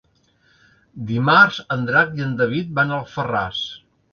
Dimarts en Drac i en David van a Alfarràs.